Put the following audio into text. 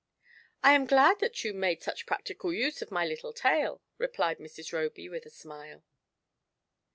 "I am glad that you made such practical use of my Ettle tale," replied Mrs. Roby, with a amile.